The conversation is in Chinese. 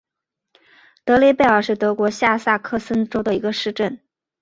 德雷贝尔是德国下萨克森州的一个市镇。